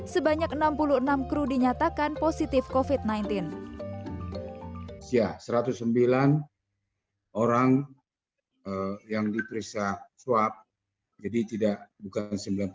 sebanyak enam puluh enam kru dinyatakan positif kofit sembilan belas ya satu ratus sembilan orang yang diperiksa swab jadi tidak bukan sembilan puluh sembilan